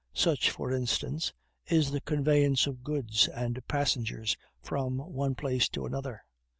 Such, for instance, is the conveyance of goods and passengers from one place to another.